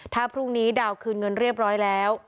ถ้าพรุ่งนี้ดาวคืนเงินเรียบร้อยแล้ว